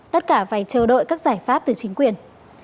tất cả phải chờ đợi các giải pháp từ chính quyền